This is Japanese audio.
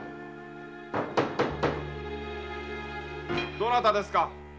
どなたですか？